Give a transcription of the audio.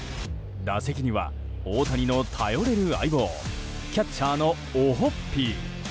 打席には大谷の頼れる相棒キャッチャーのオホッピー。